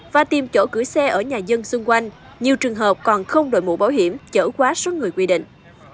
và tìm chỗ gửi xe ở nhà dân xung quanh nhiều trường hợp còn không đổi mũ bảo hiểm chở quá số người quy định